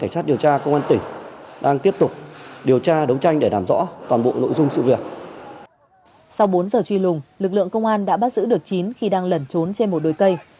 sau bốn giờ truy lùng lực lượng công an đã bắt giữ được chín khi đang lẩn trốn trên một đôi cây